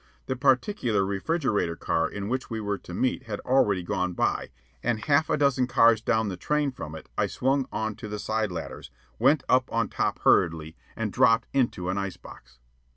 The particular refrigerator car in which we were to meet had already gone by, and half a dozen cars down the train from it I swung on to the side ladders, went up on top hurriedly, and dropped down into an ice box.